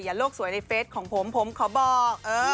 โลกสวยในเฟสของผมผมขอบอก